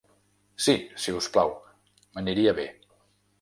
Si, si us plau, m'aniria be.